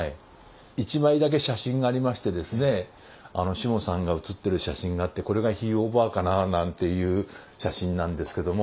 １枚だけ写真がありましてですねしもさんが写ってる写真があってこれがひいおばあかな？なんていう写真なんですけども。